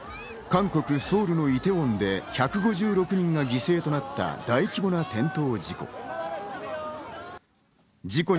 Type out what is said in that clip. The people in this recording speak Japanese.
韓国・ソウルのイテウォンで１５６人が犠牲となったで大規模な転倒事故。